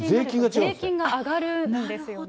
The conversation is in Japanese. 税金が上がるんですよね。